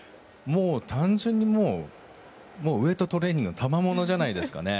単純にもうウェートトレーニングのたまものじゃないですかね。